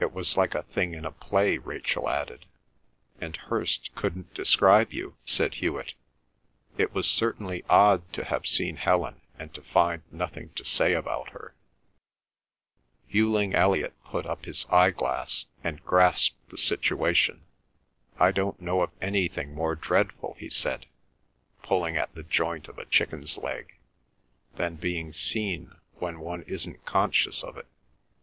"It was like a thing in a play," Rachel added. "And Hirst couldn't describe you," said Hewet. It was certainly odd to have seen Helen and to find nothing to say about her. Hughling Elliot put up his eyeglass and grasped the situation. "I don't know of anything more dreadful," he said, pulling at the joint of a chicken's leg, "than being seen when one isn't conscious of it.